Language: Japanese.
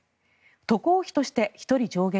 渡航費として１人上限